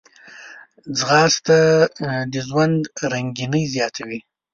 ځغاسته د ژوند رنګیني زیاتوي